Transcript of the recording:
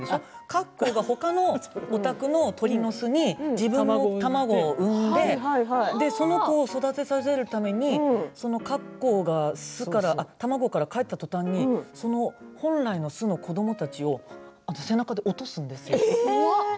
カッコウがほかのお宅の鳥の巣に自分の卵を産んでその子を育てさせるためにカッコウが卵からかえったとたんに本来の素の子どもたちを背中で落とすんですよ。